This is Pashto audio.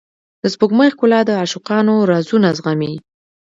د سپوږمۍ ښکلا د عاشقانو رازونه زغمي.